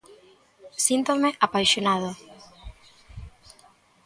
Síntome apaixonado.